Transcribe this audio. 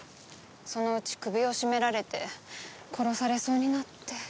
そのうち首を絞められて殺されそうになって。